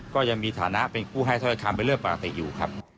ก็ยังมีฐานะเป็นผู้ให้ถ้อยคำเป็นเรื่องปกติอยู่ครับ